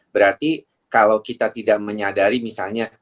berarti kalau kita tidak menyadari misalnya